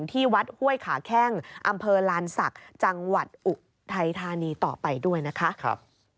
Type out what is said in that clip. ที่วัดห้วยขาแข้งอำเภอลานศักดิ์จังหวัดอุทัยธานีต่อไปด้วยนะคะ